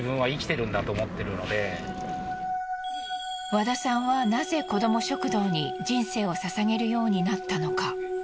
和田さんはなぜ子ども食堂に人生を捧げるようになったのか？